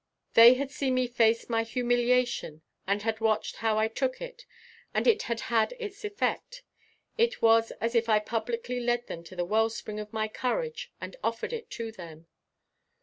They had seen me face my humiliation and had watched how I took it and it had had its effect. It was as if I publicly led them to the well spring of my courage and offered it to them.